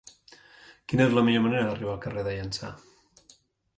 Quina és la millor manera d'arribar al carrer de Llança?